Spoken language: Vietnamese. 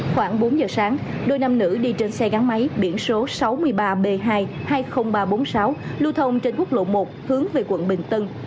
khoảng bốn giờ sáng đôi nam nữ đi trên xe gắn máy biển số sáu mươi ba b hai hai mươi nghìn ba trăm bốn mươi sáu lưu thông trên quốc lộ một hướng về quận bình tân